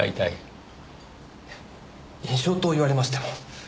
いや印象と言われましても。